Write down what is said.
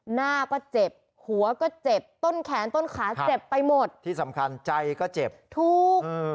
หน้าก็เจ็บหัวก็เจ็บต้นแขนต้นขาเจ็บไปหมดที่สำคัญใจก็เจ็บถูก